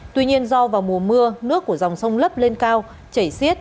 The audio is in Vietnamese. tuy nhiên do vào mùa mưa nước của dòng sông lấp lên cao chảy xiết